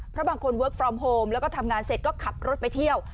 เพราะบางคนเวิร์คฟอร์มโฮมแล้วก็ทำงานเสร็จก็ขับรถไปเที่ยว